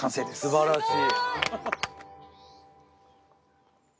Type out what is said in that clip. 素晴らしい！